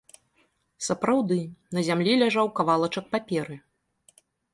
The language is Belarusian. Сапраўды, на зямлі ляжаў кавалачак паперы.